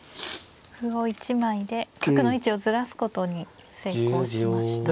歩を１枚で角の位置をずらすことに成功しました。